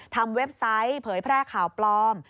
เว็บไซต์เผยแพร่ข่าวปลอม